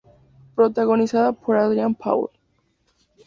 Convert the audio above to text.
Protagonizada por Adrian Paul.